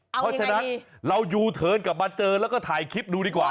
เพราะฉะนั้นเรายูเทิร์นกลับมาเจอแล้วก็ถ่ายคลิปดูดีกว่า